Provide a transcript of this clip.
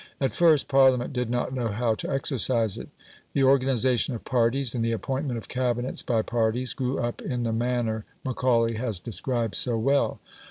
At first Parliament did not know how to exercise it; the organisation of parties and the appointment of Cabinets by parties grew up in the manner Macaulay has described so well.